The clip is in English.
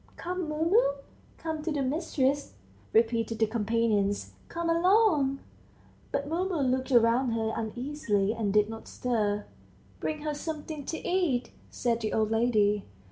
"Come, Mumu, come to the mistress," repeated the companions. "Come along!" But Mumu looked round her uneasily, and did not stir. "Bring her something to eat," said the old lady.